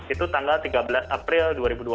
itu tanggal tiga belas april dua ribu dua puluh